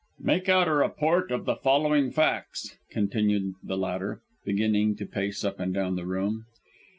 "Make out a report of the following facts," continued the latter, beginning to pace up and down the room.